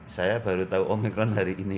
saya baru tahu omikron hari ini